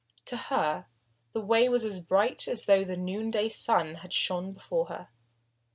To her the way was as bright as though the noonday sun had shone before her.